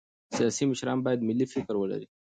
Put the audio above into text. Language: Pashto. سیاسي مشران باید ملي فکر ولري